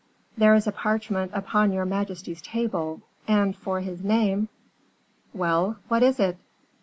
"There is a parchment upon your majesty's table; and for his name " "Well, what is it?"